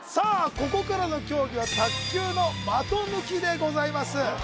ここからの競技は卓球の的抜きでございます